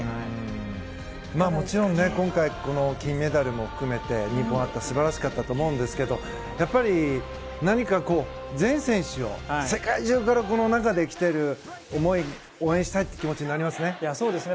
もちろん今回金メダルも含めて素晴らしかったと思うんですけれどもやっぱり、何か全選手を世界中から来ている思い応援したいという気持ちになりますね。